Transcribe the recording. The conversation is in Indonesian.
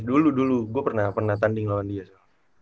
dulu dulu gue pernah pernah tanding lawan dia so